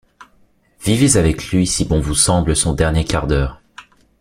Vivez avec lui, si bon vous semble, son dernier quart d’heure.